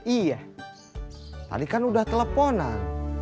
iya tadi kan udah teleponan